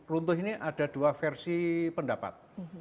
runtuh ini ada dua versi pendapat